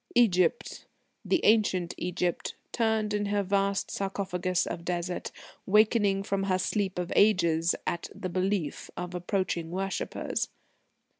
Egypt, the ancient Egypt, turned in her vast sarcophagus of Desert, wakening from her sleep of ages at the Belief of approaching worshippers.